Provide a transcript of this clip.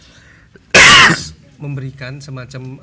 harus memberikan semacam